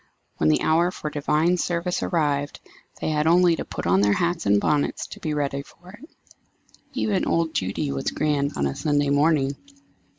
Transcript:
When the hour for divine service arrived, they had only to put on their hats and bonnets to be ready for it. Even old Judy was grand on a Sunday morning.